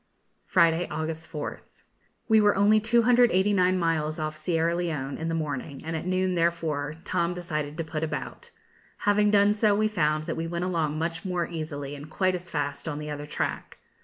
Friday, August 4th. We were only 289 miles off Sierra Leone in the morning, and at noon therefore Tom decided to put about. Having done so, we found that we went along much more easily and quite as fast on the other tack.